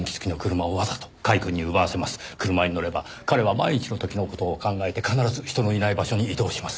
車に乗れば彼は万一の時の事を考えて必ず人のいない場所に移動します。